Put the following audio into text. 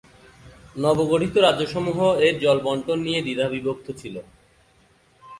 নবগঠিত রাজ্যসমূহ এর জল বণ্টন নিয়ে দ্বিধাবিভক্ত ছিল।